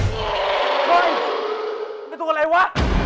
เฮ้ยมันเป็นตัวอะไรวะ